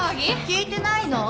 聞いてないの？